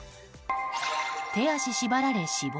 手足縛られ死亡。